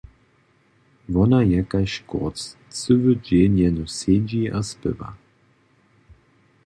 Wona je kaž škórc, cyły dźeń jenož sedźi a spěwa.